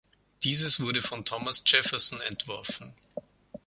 Dieses wurde von Thomas Jefferson entworfen.